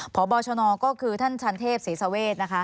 พบชนก็คือท่านชันเทพเศรษฐเวศ